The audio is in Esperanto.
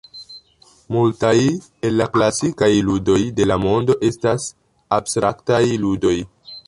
Multaj el la klasikaj ludoj de la mondo estas abstraktaj ludoj.